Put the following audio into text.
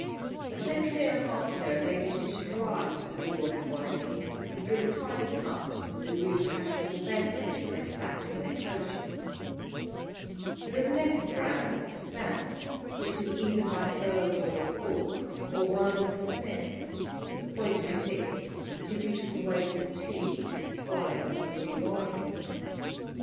A century and a half ago ladies used to drive to the door of Twining's and drink tiny cups of the new and fashionable beverage as they sat in their coaches. There is an epigram extant, written either by Theodore Hook or one of the Smiths; the point of it is, that if you took away his T, Twining would be Wining.